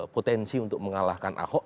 potensi untuk mengalahkan ahok